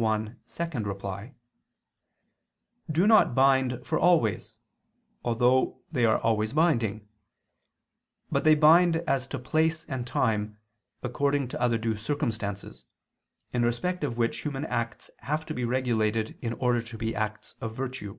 1, ad 2) do not bind for always, although they are always binding; but they bind as to place and time according to other due circumstances, in respect of which human acts have to be regulated in order to be acts of virtue.